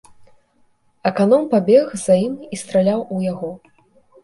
Аканом пабег за ім і страляў у яго.